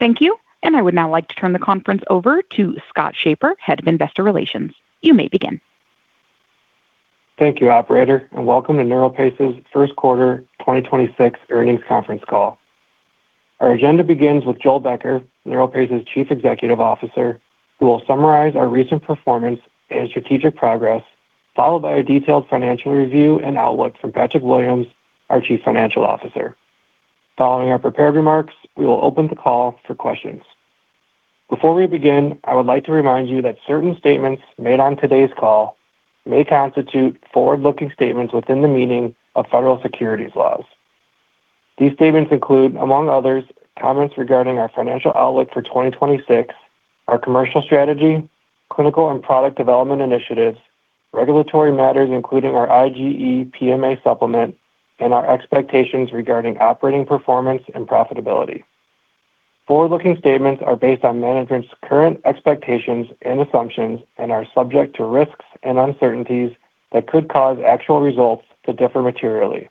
Thank you. I would now like to turn the conference over to Scott Schaper, Head of Investor Relations. You may begin. Thank you, operator, and welcome to NeuroPace's first quarter 2026 earnings conference call. Our agenda begins with Joel Becker, NeuroPace's Chief Executive Officer, who will summarize our recent performance and strategic progress, followed by a detailed financial review and outlook from Patrick Williams, our Chief Financial Officer. Following our prepared remarks, we will open the call for questions. Before we begin, I would like to remind you that certain statements made on today's call may constitute forward-looking statements within the meaning of federal securities laws. These statements include, among others, comments regarding our financial outlook for 2026, our commercial strategy, clinical and product development initiatives, regulatory matters, including our IGE PMA supplement, and our expectations regarding operating performance and profitability. Forward-looking statements are based on management's current expectations and assumptions and are subject to risks and uncertainties that could cause actual results to differ materially.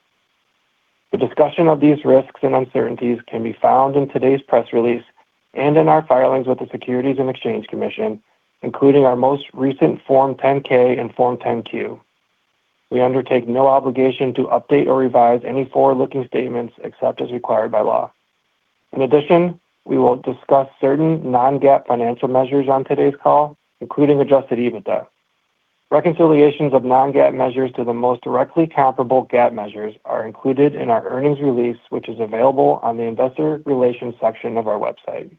The discussion of these risks and uncertainties can be found in today's press release and in our filings with the Securities and Exchange Commission, including our most recent Form 10-K and Form 10-Q. We undertake no obligation to update or revise any forward-looking statements except as required by law. We will discuss certain non-GAAP financial measures on today's call, including adjusted EBITDA. Reconciliations of non-GAAP measures to the most directly comparable GAAP measures are included in our earnings release, which is available on the Investor Relations section of our website.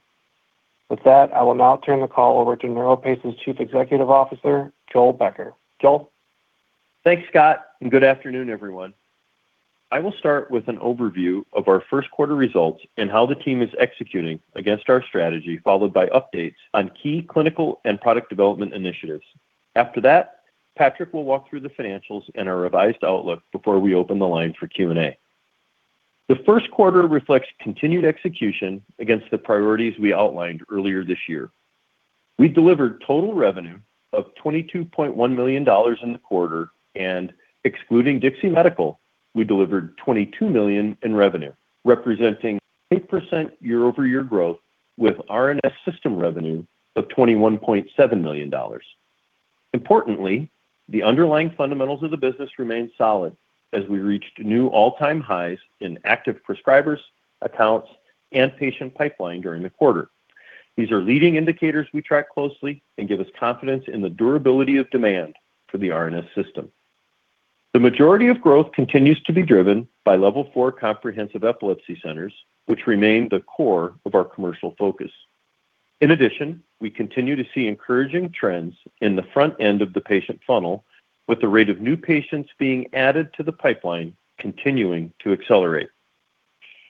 With that, I will now turn the call over to NeuroPace's Chief Executive Officer, Joel Becker. Joel? Thanks, Scott, good afternoon, everyone. I will start with an overview of our first quarter results and how the team is executing against our strategy, followed by updates on key clinical and product development initiatives. After that, Patrick will walk through the financials and our revised outlook before we open the line for Q&A. The first quarter reflects continued execution against the priorities we outlined earlier this year. We delivered total revenue of $22.1 million in the quarter, and excluding DIXI Medical, we delivered $22 million in revenue, representing 8% year-over-year growth with RNS System revenue of $21.7 million. Importantly, the underlying fundamentals of the business remain solid as we reached new all-time highs in active prescribers, accounts, and patient pipeline during the quarter. These are leading indicators we track closely and give us confidence in the durability of demand for the RNS System. The majority of growth continues to be driven by Level 4 comprehensive epilepsy centers, which remain the core of our commercial focus. In addition, we continue to see encouraging trends in the front end of the patient funnel with the rate of new patients being added to the pipeline continuing to accelerate.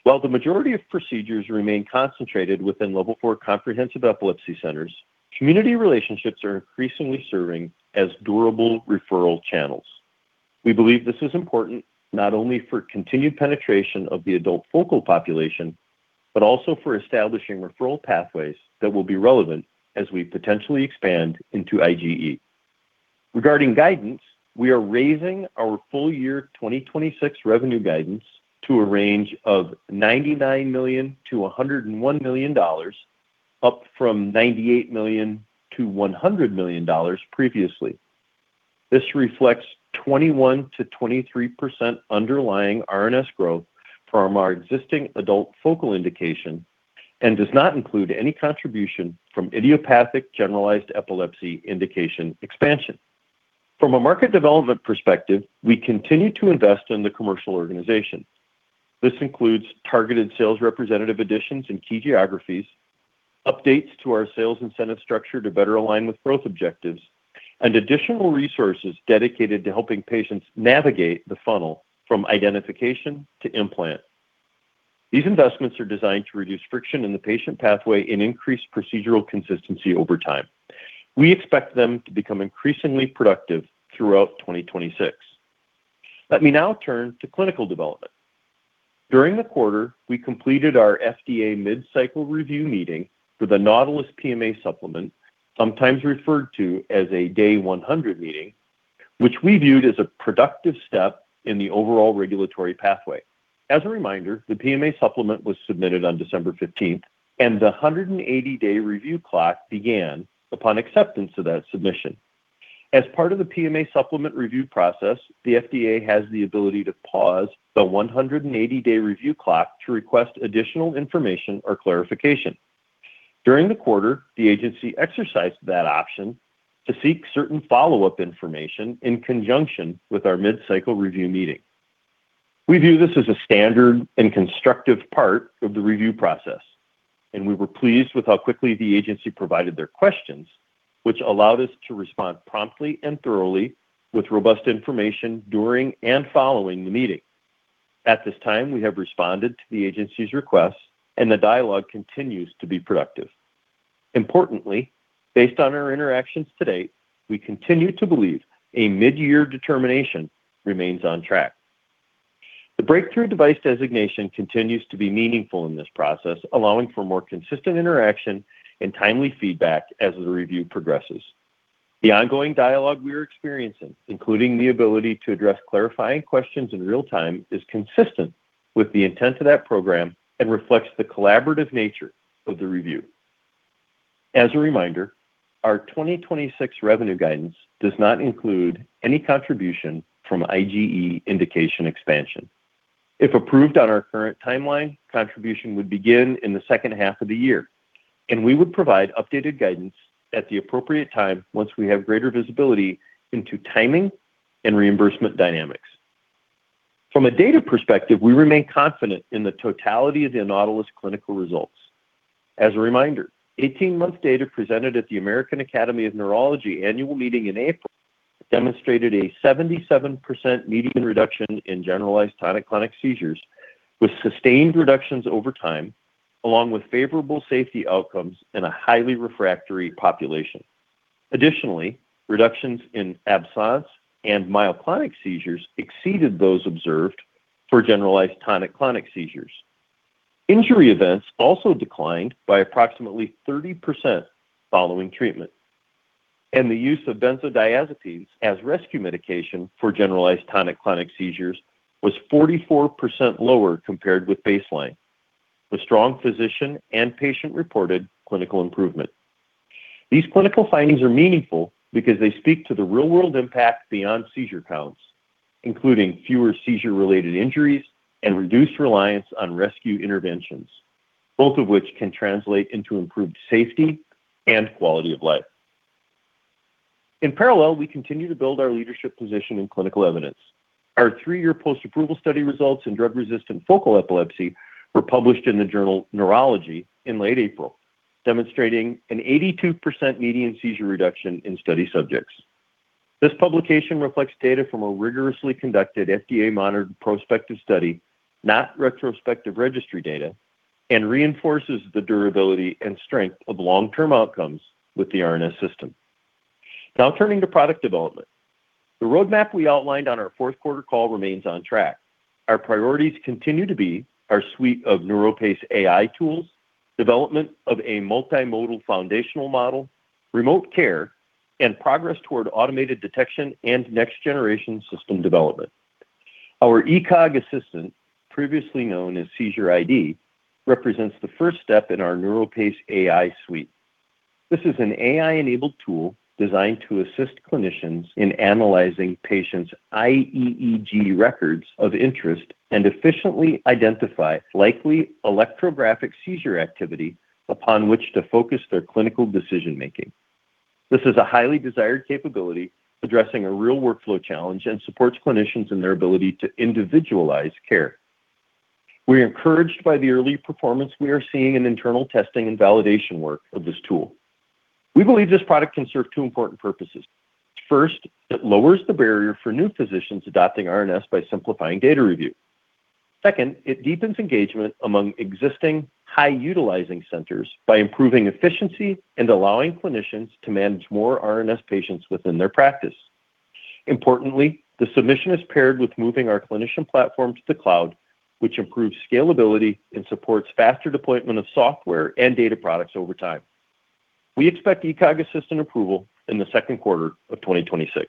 While the majority of procedures remain concentrated within Level 4 comprehensive epilepsy centers, community relationships are increasingly serving as durable referral channels. We believe this is important not only for continued penetration of the adult focal population, but also for establishing referral pathways that will be relevant as we potentially expand into IGE. Regarding guidance, we are raising our full-year 2026 revenue guidance to a range of $99 million-$101 million, up from $98 million-$100 million previously. This reflects 21%-23% underlying RNS growth from our existing adult focal indication and does not include any contribution from idiopathic generalized epilepsy indication expansion. From a market development perspective, we continue to invest in the commercial organization. This includes targeted sales representative additions in key geographies, updates to our sales incentive structure to better align with growth objectives, and additional resources dedicated to helping patients navigate the funnel from identification to implant. These investments are designed to reduce friction in the patient pathway and increase procedural consistency over time. We expect them to become increasingly productive throughout 2026. Let me now turn to clinical development. During the quarter, we completed our FDA mid-cycle review meeting for the NAUTILUS PMA supplement, sometimes referred to as a day 100 meeting, which we viewed as a productive step in the overall regulatory pathway. As a reminder, the PMA supplement was submitted on December 15th, and the 180-day review clock began upon acceptance of that submission. As part of the PMA supplement review process, the FDA has the ability to pause the 180-day review clock to request additional information or clarification. During the quarter, the agency exercised that option to seek certain follow-up information in conjunction with our mid-cycle review meeting. We view this as a standard and constructive part of the review process, and we were pleased with how quickly the agency provided their questions, which allowed us to respond promptly and thoroughly with robust information during and following the meeting. At this time, we have responded to the agency's requests, and the dialogue continues to be productive. Importantly, based on our interactions to date, we continue to believe a mid-year determination remains on track. The breakthrough device designation continues to be meaningful in this process, allowing for more consistent interaction and timely feedback as the review progresses. The ongoing dialogue we are experiencing, including the ability to address clarifying questions in real time, is consistent with the intent of that program and reflects the collaborative nature of the review. As a reminder, our 2026 revenue guidance does not include any contribution from IGE indication expansion. If approved on our current timeline, contribution would begin in the second half of the year. We would provide updated guidance at the appropriate time once we have greater visibility into timing and reimbursement dynamics. From a data perspective, we remain confident in the totality of the NAUTILUS clinical results. As a reminder, 18-month data presented at the American Academy of Neurology annual meeting in April demonstrated a 77% median reduction in generalized tonic-clonic seizures with sustained reductions over time, along with favorable safety outcomes in a highly refractory population. Additionally, reductions in absence and myoclonic seizures exceeded those observed for generalized tonic-clonic seizures. Injury events also declined by approximately 30% following treatment. The use of benzodiazepines as rescue medication for generalized tonic-clonic seizures was 44% lower compared with baseline, with strong physician and patient-reported clinical improvement. These clinical findings are meaningful because they speak to the real-world impact beyond seizure counts, including fewer seizure-related injuries and reduced reliance on rescue interventions, both of which can translate into improved safety and quality of life. In parallel, we continue to build our leadership position in clinical evidence. Our three-year post-approval study results in drug-resistant focal epilepsy were published in the journal Neurology in late April, demonstrating an 82% median seizure reduction in study subjects. This publication reflects data from a rigorously conducted FDA-monitored prospective study, not retrospective registry data, and reinforces the durability and strength of long-term outcomes with the RNS System. Turning to product development. The roadmap we outlined on our fourth quarter call remains on track. Our priorities continue to be our suite of NeuroPace AI tools, development of a multimodal foundational model, remote care, and progress toward automated detection and next-generation system development. Our ECoG Assistant, previously known as SeizureID, represents the first step in our NeuroPace AI suite. This is an AI-enabled tool designed to assist clinicians in analyzing patients' iEEG records of interest and efficiently identify likely electrographic seizure activity upon which to focus their clinical decision-making. This is a highly desired capability addressing a real workflow challenge and supports clinicians in their ability to individualize care. We are encouraged by the early performance we are seeing in internal testing and validation work of this tool. We believe this product can serve two important purposes. First, it lowers the barrier for new physicians adopting RNS by simplifying data review. Second, it deepens engagement among existing high-utilizing centers by improving efficiency and allowing clinicians to manage more RNS patients within their practice. Importantly, the submission is paired with moving our clinician platform to the cloud, which improves scalability and supports faster deployment of software and data products over time. We expect ECoG Assistant approval in the second quarter of 2026.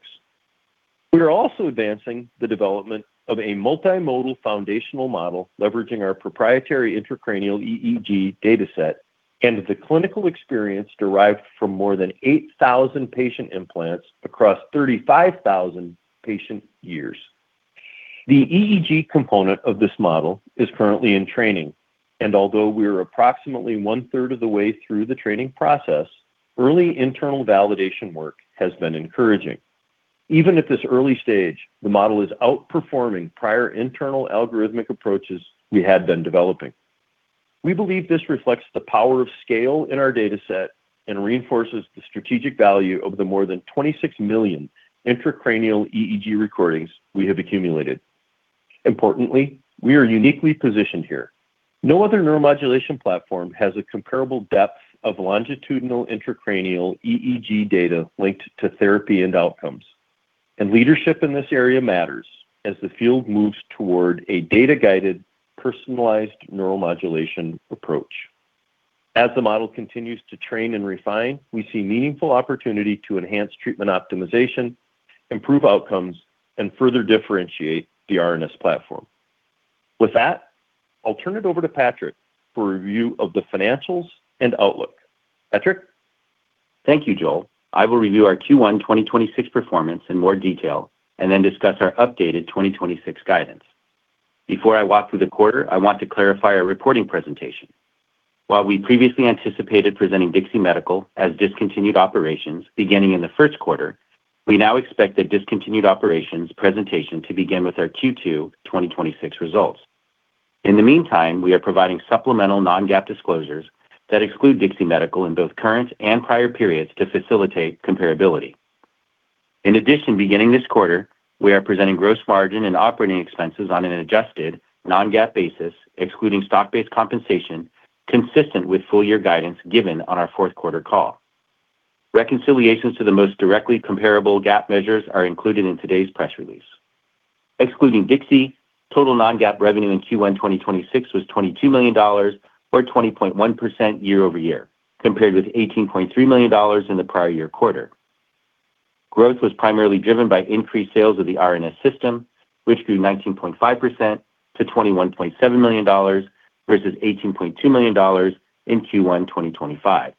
We are also advancing the development of a multimodal foundational model leveraging our proprietary intracranial EEG data set and the clinical experience derived from more than 8,000 patient implants across 35,000 patient years. The EEG component of this model is currently in training, and although we are approximately 1/3 of the way through the training process, early internal validation work has been encouraging. Even at this early stage, the model is outperforming prior internal algorithmic approaches we had been developing. We believe this reflects the power of scale in our data set and reinforces the strategic value of the more than 26 million intracranial EEG recordings we have accumulated. Importantly, we are uniquely positioned here. No other neuromodulation platform has a comparable depth of longitudinal intracranial EEG data linked to therapy and outcomes. Leadership in this area matters as the field moves toward a data-guided, personalized neuromodulation approach. As the model continues to train and refine, we see meaningful opportunity to enhance treatment optimization, improve outcomes, and further differentiate the RNS platform. With that, I'll turn it over to Patrick for review of the financials and outlook. Patrick? Thank you, Joel. I will review our Q1 2026 performance in more detail and then discuss our updated 2026 guidance. Before I walk through the quarter, I want to clarify our reporting presentation. While we previously anticipated presenting DIXI Medical as discontinued operations beginning in the first quarter, we now expect the discontinued operations presentation to begin with our Q2 2026 results. In the meantime, we are providing supplemental non-GAAP disclosures that exclude DIXI Medical in both current and prior periods to facilitate comparability. In addition, beginning this quarter, we are presenting gross margin and operating expenses on an adjusted non-GAAP basis, excluding stock-based compensation consistent with full-year guidance given on our fourth quarter call. Reconciliations to the most directly comparable GAAP measures are included in today's press release. Excluding DIXI Medical total non-GAAP revenue in Q1 2026 was $22 million or 20.1% year-over-year, compared with $18.3 million in the prior year quarter. Growth was primarily driven by increased sales of the RNS System which grew 19.5% to $21.7 million versus $18.2 million in Q1 2025.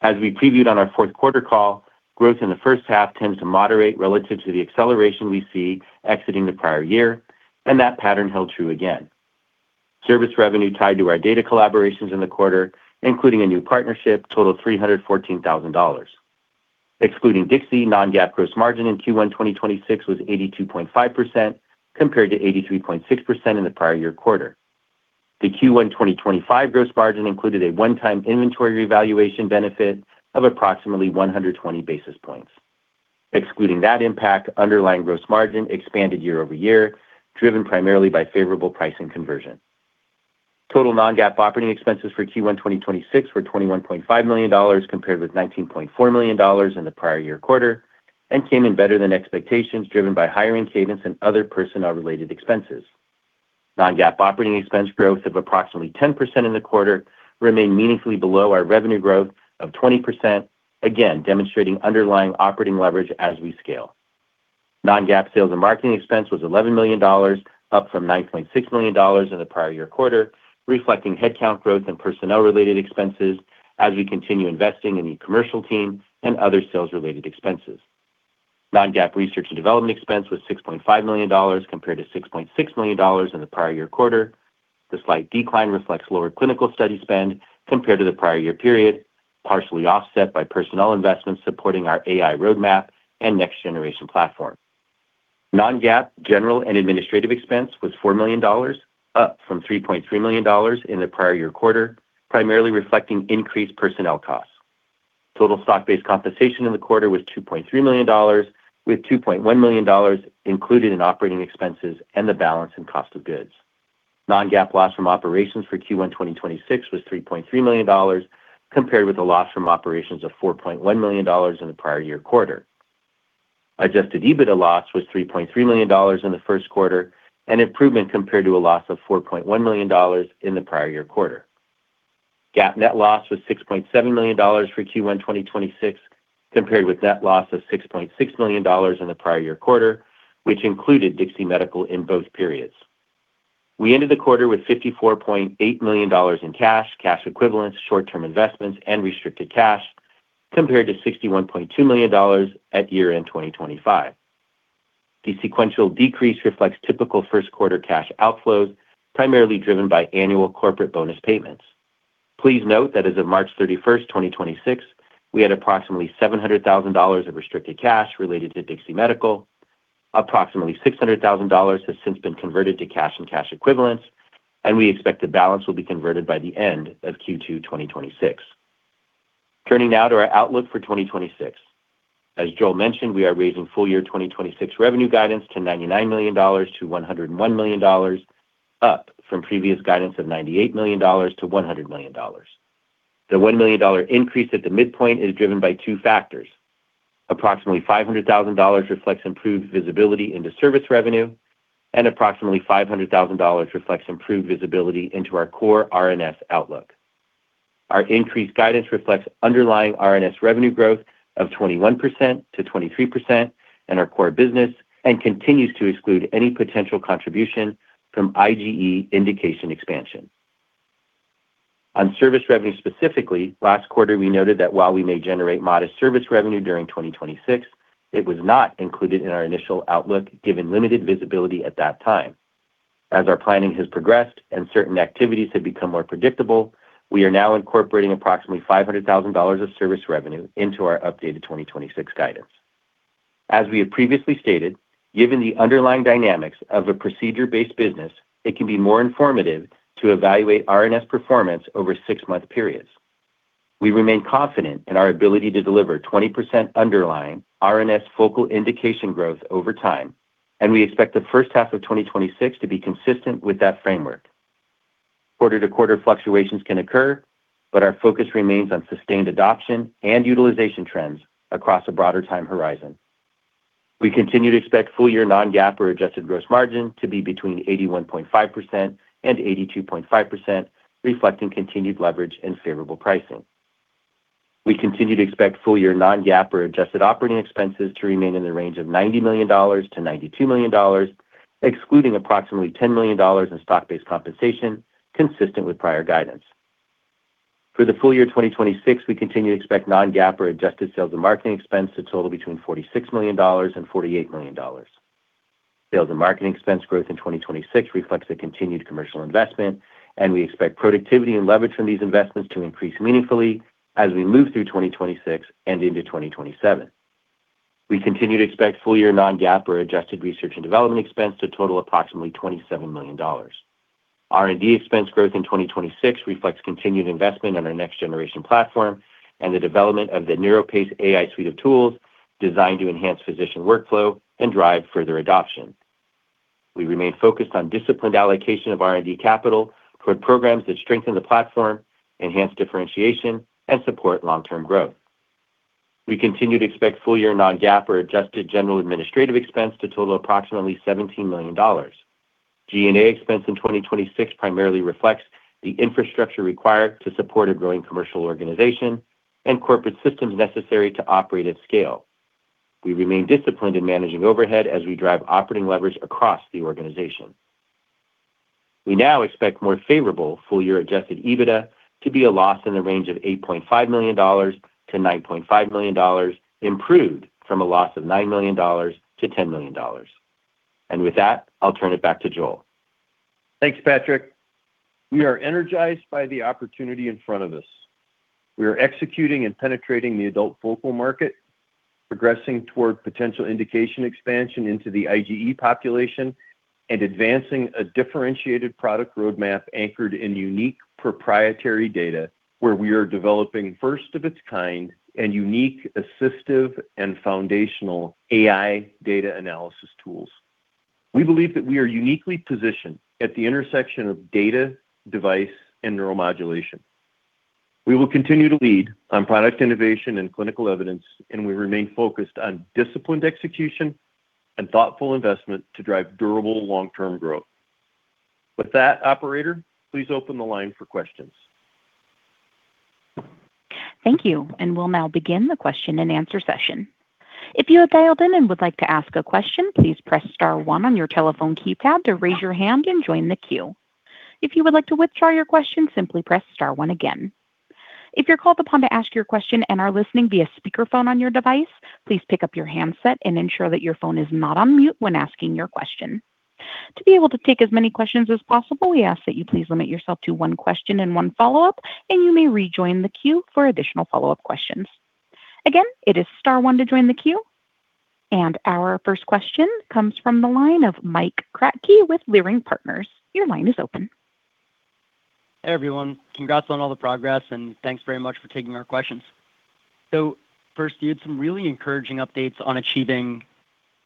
As we previewed on our fourth quarter call, growth in the first half tends to moderate relative to the acceleration we see exiting the prior year and that pattern held true again. Service revenue tied to our data collaborations in the quarter, including a new partnership, totaled $314,000. Excluding DIXI, non-GAAP gross margin in Q1 2026 was 82.5% compared to 83.6% in the prior year quarter. The Q1 2025 gross margin included a one-time inventory revaluation benefit of approximately 120 basis points. Excluding that impact, underlying gross margin expanded year-over-year, driven primarily by favorable pricing conversion. Total non-GAAP operating expenses for Q1 2026 were $21.5 million compared with $19.4 million in the prior year quarter and came in better than expectations driven by hiring cadence and other personnel related expenses. Non-GAAP operating expense growth of approximately 10% in the quarter remained meaningfully below our revenue growth of 20%, again demonstrating underlying operating leverage as we scale. Non-GAAP sales and marketing expense was $11 million, up from $9.6 million in the prior year quarter, reflecting headcount growth and personnel related expenses as we continue investing in the commercial team and other sales related expenses. Non-GAAP research and development expense was $6.5 million compared to $6.6 million in the prior year quarter. The slight decline reflects lower clinical study spend compared to the prior year period, partially offset by personnel investments supporting our AI roadmap and next generation platform. Non-GAAP general and administrative expense was $4 million, up from $3.3 million in the prior year quarter, primarily reflecting increased personnel costs. Total stock-based compensation in the quarter was $2.3 million, with $2.1 million included in operating expenses and the balance in cost of goods. Non-GAAP loss from operations for Q1 2026 was $3.3 million compared with a loss from operations of $4.1 million in the prior year quarter. Adjusted EBITDA loss was $3.3 million in the first quarter, an improvement compared to a loss of $4.1 million in the prior year quarter. GAAP net loss was $6.7 million for Q1 2026 compared with net loss of $6.6 million in the prior year quarter, which included DIXI Medical in both periods. We ended the quarter with $54.8 million in cash equivalents, short term investments and restricted cash compared to $61.2 million at year-end 2025. The sequential decrease reflects typical first quarter cash outflows, primarily driven by annual corporate bonus payments. Please note that as of March 31st, 2026, we had approximately $700,000 of restricted cash related to DIXI Medical. Approximately $600,000 has since been converted to cash and cash equivalents, and we expect the balance will be converted by the end of Q2 2026. Turning now to our outlook for 2026. As Joel mentioned, we are raising full-year 2026 revenue guidance to $99 million-$101 million, up from previous guidance of $98 million-$100 million. The $1 million increase at the midpoint is driven by two factors. Approximately $500,000 reflects improved visibility into service revenue and approximately $500,000 reflects improved visibility into our core RNS outlook. Our increased guidance reflects underlying RNS revenue growth of 21% to 23% in our core business and continues to exclude any potential contribution from IGE indication expansion. On service revenue specifically, last quarter we noted that while we may generate modest service revenue during 2026, it was not included in our initial outlook given limited visibility at that time. As our planning has progressed and certain activities have become more predictable, we are now incorporating approximately $500,000 of service revenue into our updated 2026 guidance. As we have previously stated, given the underlying dynamics of a procedure based business, it can be more informative to evaluate RNS performance over six-month periods. We remain confident in our ability to deliver 20% underlying RNS focal indication growth over time, and we expect the first half of 2026 to be consistent with that framework. Quarter-to-quarter fluctuations can occur. Our focus remains on sustained adoption and utilization trends across a broader time horizon. We continue to expect full-year non-GAAP or adjusted gross margin to be between 81.5% and 82.5%, reflecting continued leverage and favorable pricing. We continue to expect full-year non-GAAP or adjusted operating expenses to remain in the range of $90 million-$92 million, excluding approximately $10 million in stock-based compensation consistent with prior guidance. For the full-year 2026, we continue to expect non-GAAP or adjusted sales and marketing expense to total between $46 million and $48 million. Sales and marketing expense growth in 2026 reflects a continued commercial investment. We expect productivity and leverage from these investments to increase meaningfully as we move through 2026 and into 2027. We continue to expect full-year non-GAAP or adjusted R&D expense to total approximately $27 million. R&D expense growth in 2026 reflects continued investment in our next generation platform and the development of the NeuroPace AI suite of tools designed to enhance physician workflow and drive further adoption. We remain focused on disciplined allocation of R&D capital toward programs that strengthen the platform, enhance differentiation and support long-term growth. We continue to expect full-year non-GAAP or adjusted G&A expense to total approximately $17 million. G&A expense in 2026 primarily reflects the infrastructure required to support a growing commercial organization and corporate systems necessary to operate at scale. We remain disciplined in managing overhead as we drive operating leverage across the organization. We now expect more favorable full-year adjusted EBITDA to be a loss in the range of $8.5 million-$9.5 million, improved from a loss of $9 million-$10 million. With that, I'll turn it back to Joel. Thanks, Patrick. We are energized by the opportunity in front of us. We are executing and penetrating the adult focal market, progressing toward potential indication expansion into the IGE population, and advancing a differentiated product roadmap anchored in unique proprietary data where we are developing first of its kind and unique assistive and foundational AI data analysis tools. We believe that we are uniquely positioned at the intersection of data, device, and neuromodulation. We will continue to lead on product innovation and clinical evidence, and we remain focused on disciplined execution and thoughtful investment to drive durable long-term growth. With that, operator, please open the line for questions. Thank you. We'll now begin the question and answer session. If you have dialed in and would like to ask a question, please press star one on your telephone keypad to raise your hand and join the queue. If you would like to withdraw your question, simply press star one again. If you're called upon to ask your question and are listening via speakerphone on your device, please pick up your handset and ensure that your phone is not on mute when asking your question. To be able to take as many questions as possible, we ask that you please limit yourself to one question and one follow-up, and you may rejoin the queue for additional follow-up questions. Again, it is star one to join the queue. Our first question comes from the line of Mike Kratky with Leerink Partners. Your line is open. Hey, everyone. Congrats on all the progress, and thanks very much for taking our questions. First, you had some really encouraging updates on achieving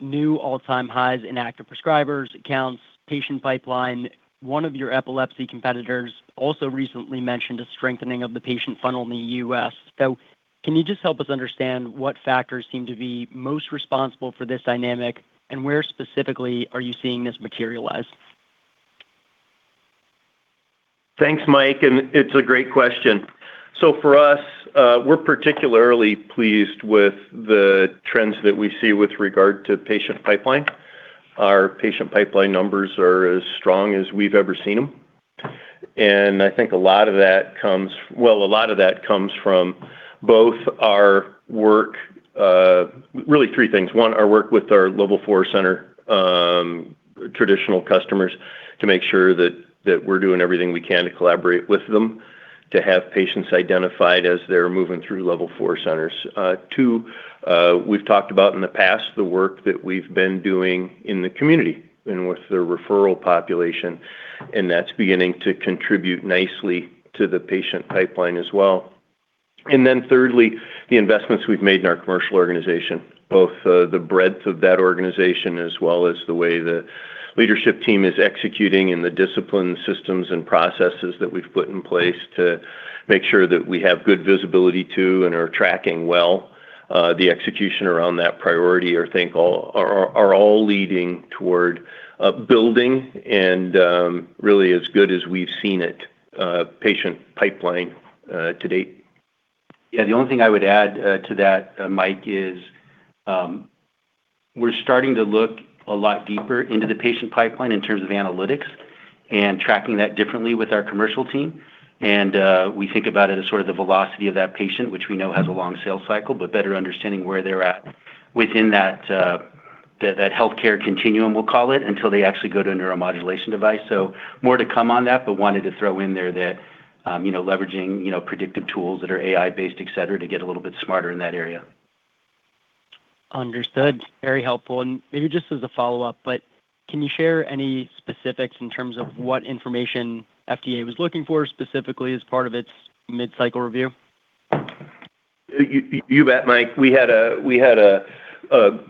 new all-time highs in active prescribers, accounts, patient pipeline. One of your epilepsy competitors also recently mentioned a strengthening of the patient funnel in the U.S. Can you just help us understand what factors seem to be most responsible for this dynamic, and where specifically are you seeing this materialize? Thanks, Mike. It's a great question. For us, we're particularly pleased with the trends that we see with regard to patient pipeline. Our patient pipeline numbers are as strong as we've ever seen them. I think a lot of that comes from both our work, really three things. One, our work with our Level 4 center, traditional customers to make sure that we're doing everything we can to collaborate with them to have patients identified as they're moving through Level 4 centers. Two, we've talked about in the past the work that we've been doing in the community and with the referral population, and that's beginning to contribute nicely to the patient pipeline as well. Thirdly, the investments we've made in our commercial organization, both, the breadth of that organization as well as the way the leadership team is executing and the discipline systems and processes that we've put in place to make sure that we have good visibility too and are tracking well, the execution around that priority I think all are all leading toward building and really as good as we've seen it, patient pipeline to date. Yeah. The only thing I would add to that, Mike is, we're starting to look a lot deeper into the patient pipeline in terms of analytics and tracking that differently with our commercial team. We think about it as sort of the velocity of that patient, which we know has a long sales cycle, but better understanding where they're at within that healthcare continuum, we'll call it, until they actually go to a neuromodulation device. More to come on that, but wanted to throw in there that, you know, leveraging, you know, predictive tools that are AI-based, et cetera, to get a little bit smarter in that area. Understood. Very helpful. Maybe just as a follow-up, but can you share any specifics in terms of what information FDA was looking for specifically as part of its mid-cycle review? You bet, Mike. We had a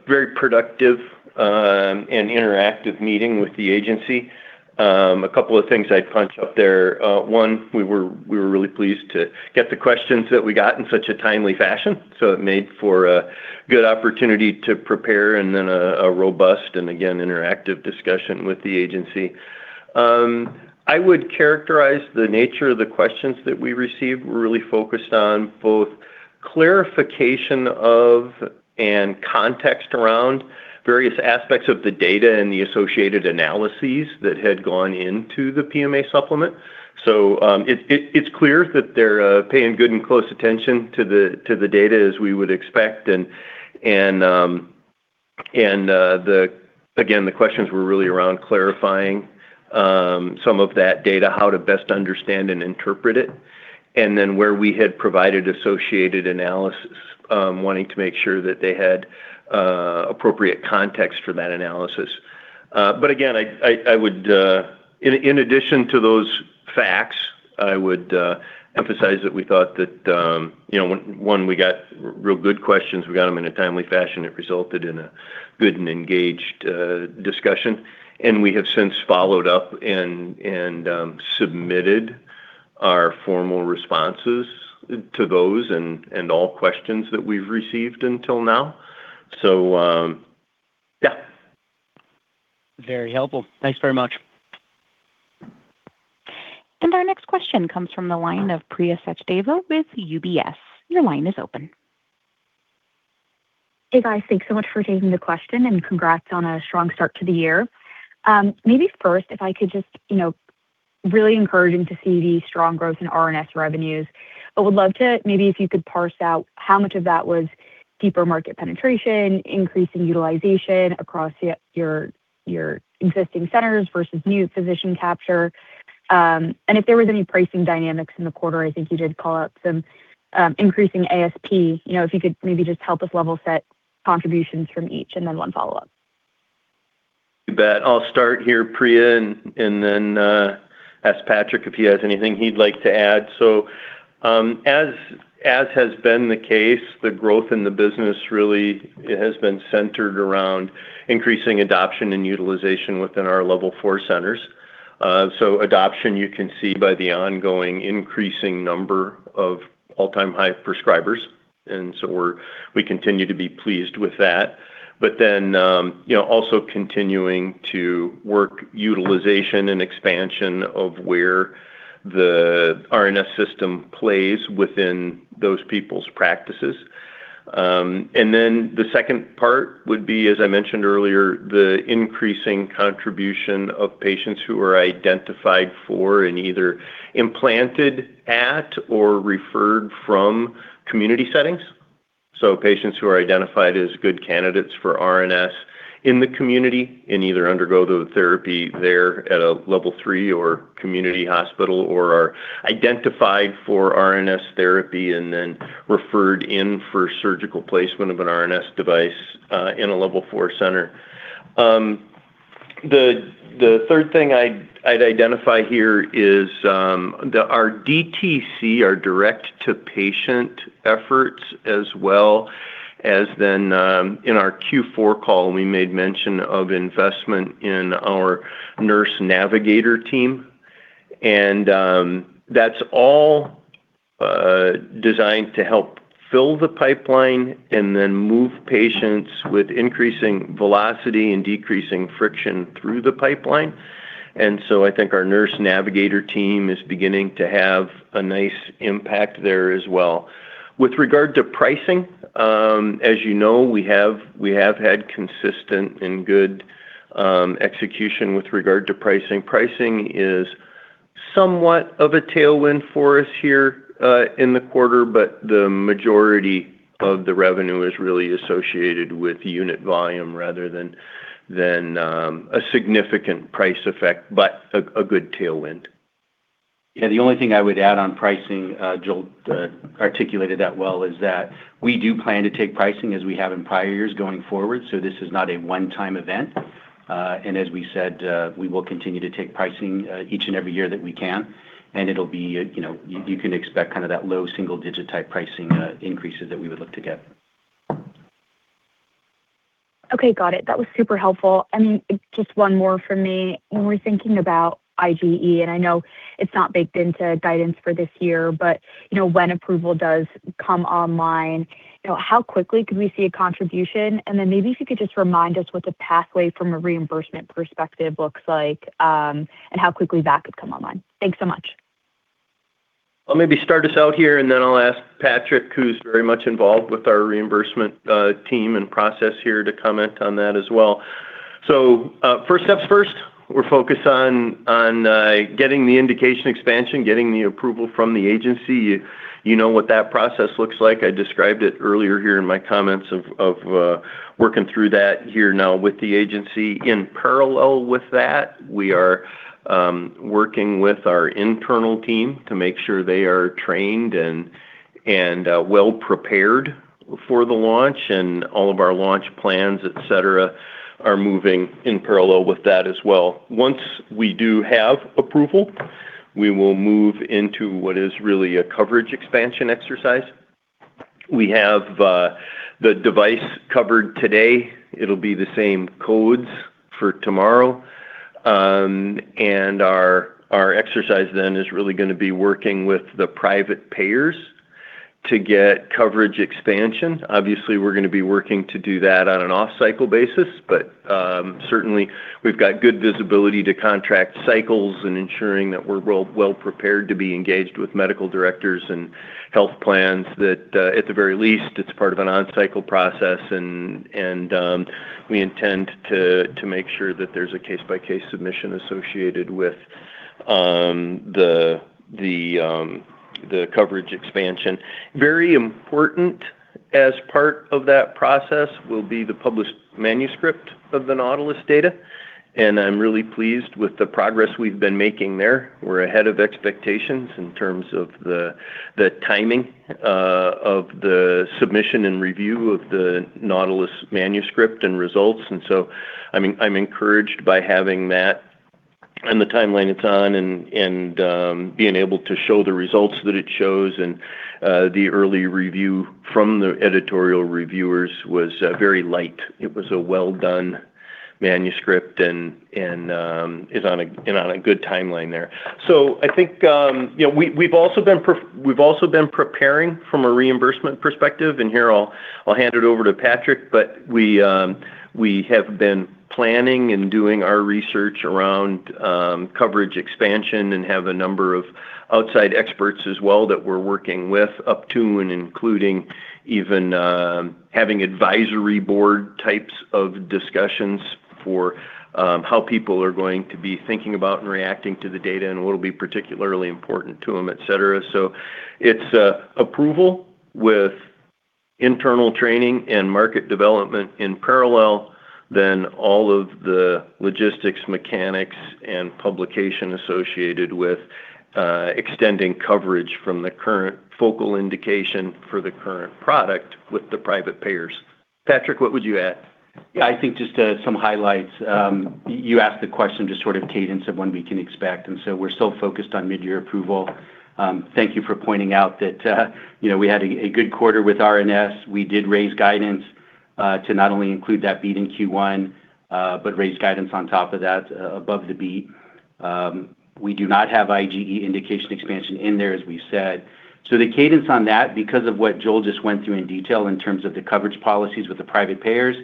very productive and interactive meeting with the agency. A couple of things I'd punch up there. One, we were really pleased to get the questions that we got in such a timely fashion, so it made for a good opportunity to prepare and then a robust and again, interactive discussion with the agency. I would characterize the nature of the questions that we received were really focused on both clarification of and context around various aspects of the data and the associated analyses that had gone into the PMA supplement. It's clear that they're paying good and close attention to the data as we would expect. Again, the questions were really around clarifying some of that data, how to best understand and interpret it, and then where we had provided associated analysis, wanting to make sure that they had appropriate context for that analysis. I would In addition to those facts, I would emphasize that we thought that, you know, one, we got real good questions. We got them in a timely fashion. It resulted in a good and engaged discussion. We have since followed up, submitted our formal responses to those and all questions that we've received until now. Yeah. Very helpful. Thanks very much. Our next question comes from the line of Priya Sachdeva with UBS. Your line is open. Hey, guys. Thanks so much for taking the question, and congrats on a strong start to the year. Maybe first if I could just You know, really encouraging to see the strong growth in RNS revenues, but would love to maybe if you could parse out how much of that was deeper market penetration, increase in utilization across your existing centers versus new physician capture, and if there was any pricing dynamics in the quarter. I think you did call out some increasing ASP. You know, if you could maybe just help us level set contributions from each. Then one follow-up. You bet. I'll start here, Priya, and then ask Patrick if he has anything he'd like to add. As has been the case, the growth in the business really has been centered around increasing adoption and utilization within our Level 4 centers. Adoption you can see by the ongoing increasing number of all-time high prescribers, we continue to be pleased with that. You know, also continuing to work utilization and expansion of where the RNS System plays within those people's practices. The second part would be, as I mentioned earlier, the increasing contribution of patients who are identified for and either implanted at or referred from community settings. Patients who are identified as good candidates for RNS in the community and either undergo the therapy there at a Level 3 or community hospital, or are identified for RNS therapy and then referred in for surgical placement of an RNS device, in a Level 4 center. The third thing I'd identify here is our DTC, our direct-to-patient efforts as well as then, in our Q4 call we made mention of investment in our nurse navigator team. That's all designed to help fill the pipeline and then move patients with increasing velocity and decreasing friction through the pipeline. I think our nurse navigator team is beginning to have a nice impact there as well. With regard to pricing, as you know, we have had consistent and good execution with regard to pricing. Pricing is somewhat of a tailwind for us here in the quarter, but the majority of the revenue is really associated with unit volume rather than a significant price effect, but a good tailwind. The only thing I would add on pricing, Joel articulated that well, is that we do plan to take pricing as we have in prior years going forward. This is not a one-time event. As we said, we will continue to take pricing each and every year that we can, and it'll be, you know, you can expect kind of that low single-digit type pricing increases that we would look to get. Okay. Got it. That was super helpful. I mean, just one more from me. When we're thinking about IGE, and I know it's not baked into guidance for this year, but, you know, when approval does come online, you know, how quickly could we see a contribution? Maybe if you could just remind us what the pathway from a reimbursement perspective looks like, and how quickly that could come online. Thanks so much. I'll maybe start us out here, and then I'll ask Patrick, who's very much involved with our reimbursement, team and process here to comment on that as well. First steps first, we're focused on getting the indication expansion, getting the approval from the agency. You know what that process looks like. I described it earlier here in my comments of working through that here now with the agency. In parallel with that, we are working with our internal team to make sure they are trained and well prepared for the launch, and all of our launch plans, et cetera, are moving in parallel with that as well. Once we do have approval, we will move into what is really a coverage expansion exercise. We have the device covered today. It'll be the same codes for tomorrow. Our, our exercise then is really going to be working with the private payers to get coverage expansion. Obviously, we're going to be working to do that on an off-cycle basis, but certainly we've got good visibility to contract cycles and ensuring that we're well, well prepared to be engaged with medical directors and health plans that at the very least, it's part of an on-cycle process and we intend to make sure that there's a case-by-case submission associated with the coverage expansion. Very important as part of that process will be the published manuscript of the NAUTILUS data, I'm really pleased with the progress we've been making there. We're ahead of expectations in terms of the timing of the submission and review of the NAUTILUS manuscript and results. I mean, I'm encouraged by having that and the timeline it's on and being able to show the results that it shows. The early review from the editorial reviewers was very light. It was a well-done manuscript and is on a good timeline there. I think, you know, we've also been preparing from a reimbursement perspective, and here I'll hand it over to Patrick. We have been planning and doing our research around coverage expansion and have a number of outside experts as well that we're working with up to and including even having advisory board types of discussions for how people are going to be thinking about and reacting to the data and what will be particularly important to them, et cetera. It's approval with internal training and market development in parallel. All of the logistics, mechanics, and publication associated with extending coverage from the current focal indication for the current product with the private payers. Patrick, what would you add? I think just some highlights. You asked the question just sort of cadence of when we can expect, we're still focused on midyear approval. Thank you for pointing out that, you know, we had a good quarter with RNS. We did raise guidance to not only include that beat in Q1, but raise guidance on top of that, above the beat. We do not have IGE indication expansion in there, as we said. The cadence on that, because of what Joel just went through in detail in terms of the coverage policies with the private payers,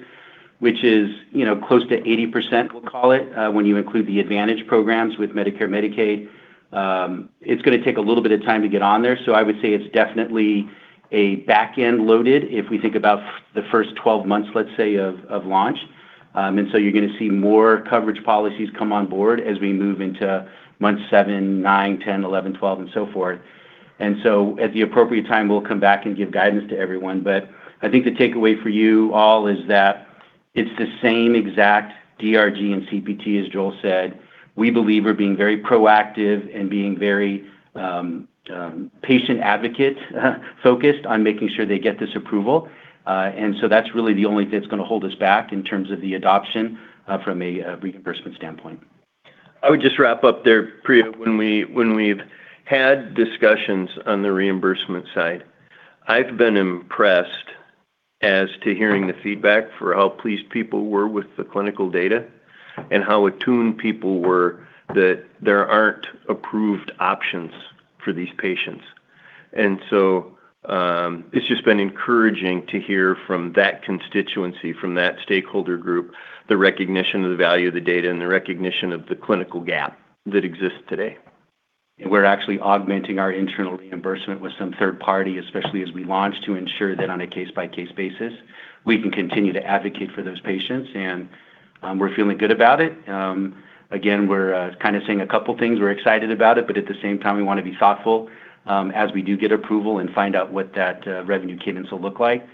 which is, you know, close to 80%, we'll call it, when you include the advantage programs with Medicare, Medicaid, it's gonna take a little bit of time to get on there. I would say it's definitely a back-end loaded if we think about the first 12 months, let's say, of launch. You're gonna see more coverage policies come on board as we move into month seven, nine, 10, 11, 12, and so forth. At the appropriate time, we'll come back and give guidance to everyone. I think the takeaway for you all is that it's the same exact DRG and CPT as Joel said. We believe we're being very proactive and being very patient advocate focused on making sure they get this approval. That's really the only thing that's gonna hold us back in terms of the adoption, from a reimbursement standpoint. I would just wrap up there, Priya. When we've had discussions on the reimbursement side, I've been impressed as to hearing the feedback for how pleased people were with the clinical data and how attuned people were that there aren't approved options for these patients. It's just been encouraging to hear from that constituency, from that stakeholder group, the recognition of the value of the data and the recognition of the clinical gap that exists today. We're actually augmenting our internal reimbursement with some third party, especially as we launch, to ensure that on a case-by-case basis we can continue to advocate for those patients. We're feeling good about it. Again, we're kind of saying a couple things. We're excited about it, but at the same time, we wanna be thoughtful as we do get approval and find out what that revenue cadence will look like.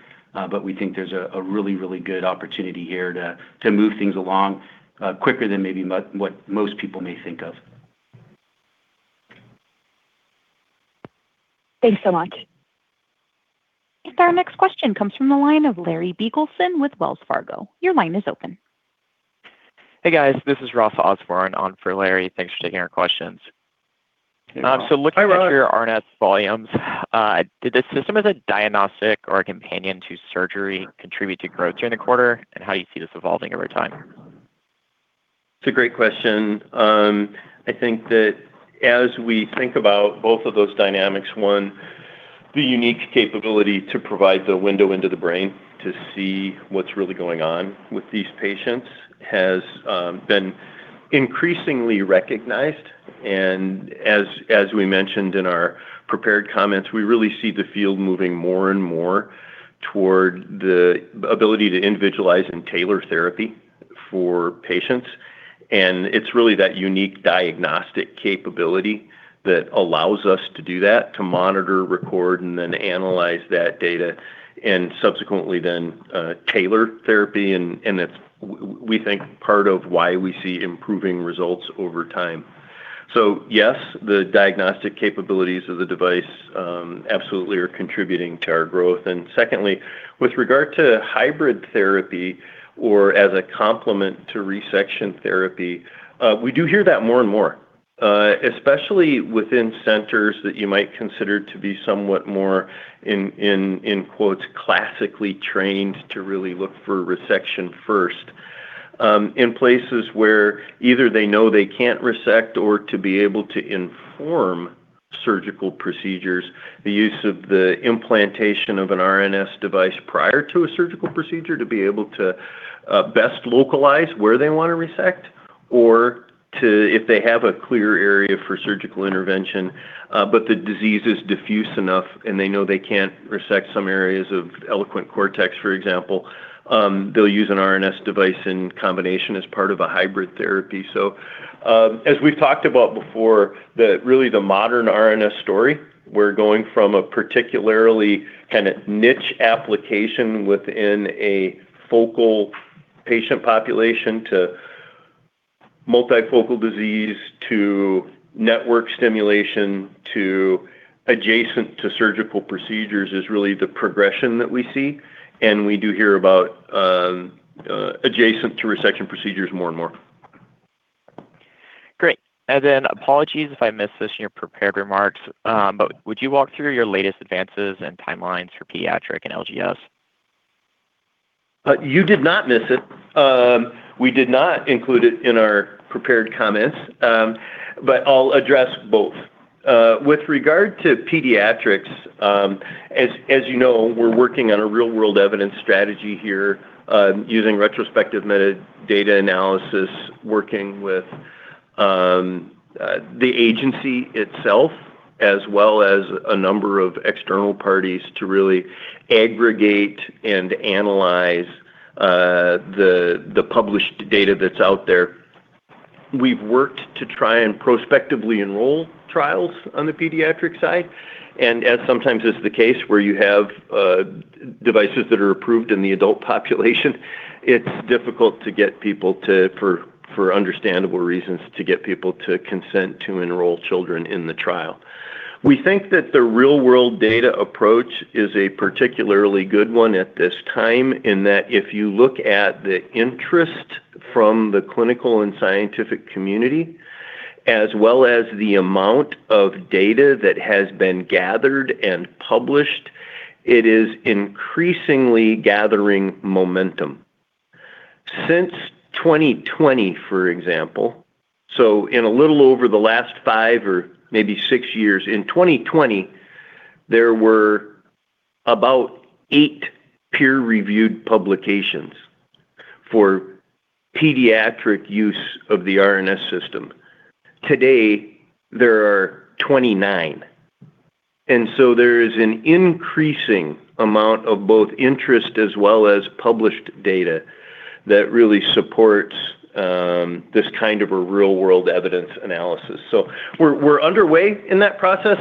We think there's a really, really good opportunity here to move things along quicker than maybe what most people may think of. Thanks so much. Our next question comes from the line of Larry Biegelsen with Wells Fargo. Your line is open. Hey, guys. This is Ross Osborn on for Larry. Thanks for taking our questions. Hey, Ross. Hi, Ross. Looking at your RNS volumes, did the system as a diagnostic or a companion to surgery contribute to growth during the quarter, and how do you see this evolving over time? It's a great question. I think that as we think about both of those dynamics, one, the unique capability to provide the window into the brain to see what's really going on with these patients has been increasingly recognized. As we mentioned in our prepared comments, we really see the field moving more and more toward the ability to individualize and tailor therapy for patients. It's really that unique diagnostic capability that allows us to do that, to monitor, record, and then analyze that data and subsequently then tailor therapy. We think part of why we see improving results over time. Yes, the diagnostic capabilities of the device absolutely are contributing to our growth. Secondly, with regard to hybrid therapy or as a complement to resection therapy, we do hear that more and more, especially within centers that you might consider to be somewhat more in, in quote, "classically trained" to really look for resection first. In places where either they know they can't resect or to be able to inform surgical procedures, the use of the implantation of an RNS device prior to a surgical procedure to be able to best localize where they wanna resect or to, if they have a clear area for surgical intervention, but the disease is diffuse enough and they know they can't resect some areas of eloquent cortex, for example, they'll use an RNS device in combination as part of a hybrid therapy. As we've talked about before, the really the modern RNS story, we're going from a particularly kinda niche application within a focal patient population to multifocal disease, to network stimulation, to adjacent to surgical procedures is really the progression that we see, and we do hear about adjacent to resection procedures more and more. Great. Apologies if I missed this in your prepared remarks, would you walk through your latest advances and timelines for pediatric and LGS? You did not miss it. We did not include it in our prepared comments. I'll address both. With regard to pediatrics, as you know, we're working on a real world evidence strategy here, using retrospective meta data analysis, working with the agency itself, as well as a number of external parties to really aggregate and analyze the published data that's out there. We've worked to try and prospectively enroll trials on the pediatric side, as sometimes is the case where you have devices that are approved in the adult population, it's difficult to get people to, for understandable reasons, to get people to consent to enroll children in the trial. We think that the real world data approach is a particularly good one at this time, in that if you look at the interest from the clinical and scientific community, as well as the amount of data that has been gathered and published, it is increasingly gathering momentum. Since 2020, for example, so in a little over the last five or maybe six years, in 2020 there were about eight peer-reviewed publications for pediatric use of the RNS System. Today, there are 29. There is an increasing amount of both interest as well as published data that really supports this kind of a real world evidence analysis. We're underway in that process.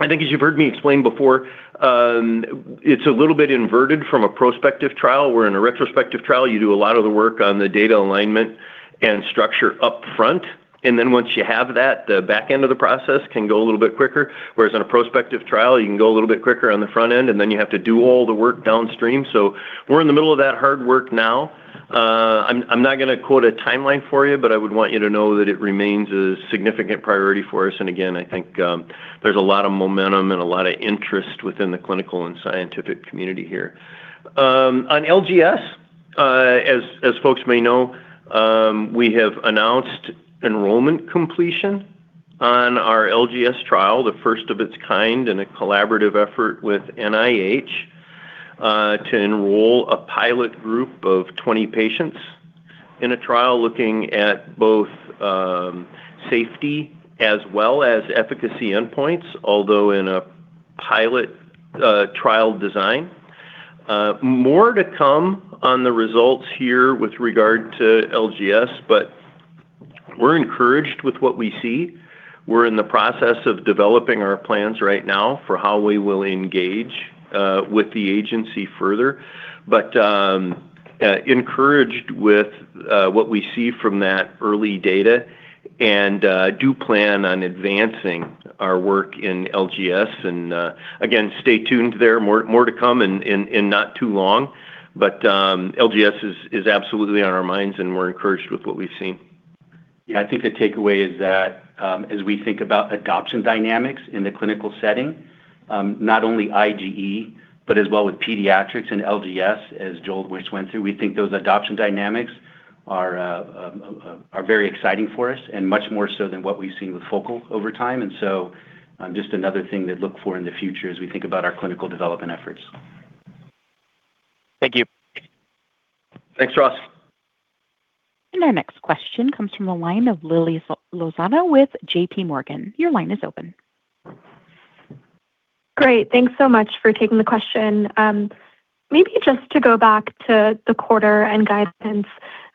I think as you've heard me explain before, it's a little bit inverted from a prospective trial, where in a retrospective trial you do a lot of the work on the data alignment and structure upfront. Once you have that, the back end of the process can go a little bit quicker. Whereas in a prospective trial, you can go a little bit quicker on the front end, and then you have to do all the work downstream. We're in the middle of that hard work now. I'm not gonna quote a timeline for you, but I would want you to know that it remains a significant priority for us, and again, I think, there's a lot of momentum and a lot of interest within the clinical and scientific community here. On LGS, as folks may know, we have announced enrollment completion on our LGS trial, the first of its kind in a collaborative effort with NIH, to enroll a pilot group of 20 patients in a trial looking at both, safety as well as efficacy endpoints, although in a pilot trial design. More to come on the results here with regard to LGS, but we're encouraged with what we see. We're in the process of developing our plans right now for how we will engage with the agency further. Encouraged with what we see from that early data and do plan on advancing our work in LGS. Again, stay tuned there. More to come in not too long. LGS is absolutely on our minds, and we're encouraged with what we've seen. Yeah. I think the takeaway is that, as we think about adoption dynamics in the clinical setting, not only IGE, but as well with pediatrics and LGS as Joel just went through, we think those adoption dynamics are very exciting for us and much more so than what we've seen with focal over time. Just another thing to look for in the future as we think about our clinical development efforts. Thank you. Thanks, Ross. Our next question comes from the line of Lily Lozada with JPMorgan. Your line is open. Great. Thanks so much for taking the question. Maybe just to go back to the quarter and guidance.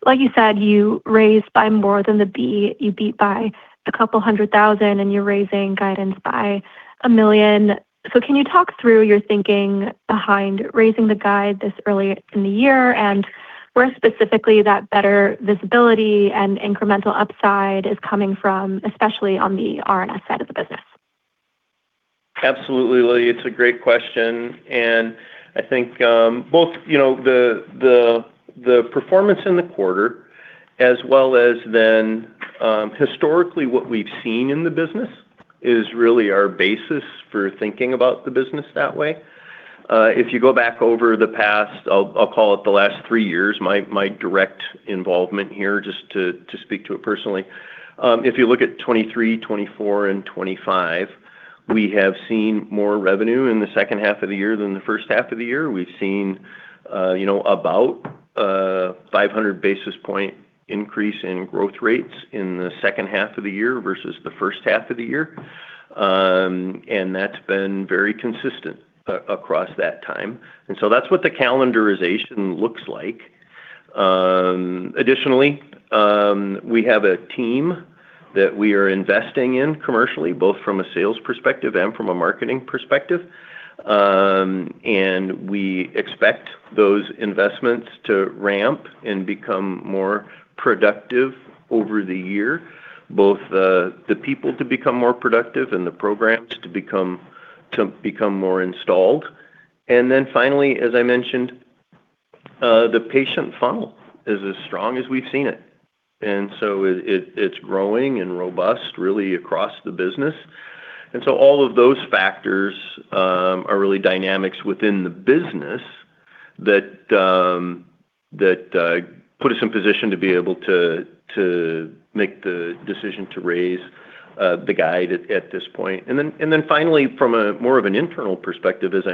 Like you said, you raised by more than the B. You beat by a couple hundred thousand, and you're raising guidance by $1 million. Can you talk through your thinking behind raising the guide this early in the year, and where specifically that better visibility and incremental upside is coming from, especially on the RNS side of the business? Absolutely, Lily. It's a great question. I think, you know, both the performance in the quarter as well as then historically what we've seen in the business is really our basis for thinking about the business that way. If you go back over the past, I'll call it the last three years, my direct involvement here, just to speak to it personally. If you look at 2023, 2024, and 2025, we have seen more revenue in the second half of the year than the first half of the year. We've seen, you know, about a 500 basis point increase in growth rates in the second half of the year versus the first half of the year. That's been very consistent across that time. So that's what the calendarization looks like. Additionally, we have a team that we are investing in commercially, both from a sales perspective and from a marketing perspective. We expect those investments to ramp and become more productive over the year, both the people to become more productive and the programs to become more installed. Finally, as I mentioned, the patient funnel is as strong as we've seen it. It's growing and robust really across the business. All of those factors are really dynamics within the business that put us in position to be able to make the decision to raise the guide at this point. Finally, from a more of an internal perspective, as I